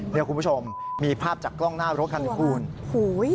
นี่คุณผู้ชมมีภาพจากกล้องหน้าโรคคันภูนย์